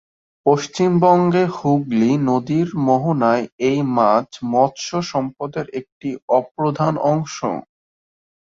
পশ্চিমবঙ্গে হুগলী নদীর মোহনায় এই মাছ মৎস্য সম্পদের একটা অপ্রধান অংশ।